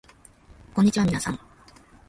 こんにちはみなさん